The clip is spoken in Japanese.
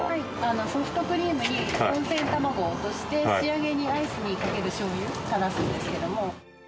ソフトクリームに温泉たまごを落として仕上げにアイスにかける醤油たらすんですけども。